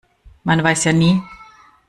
Man weiß ja nie.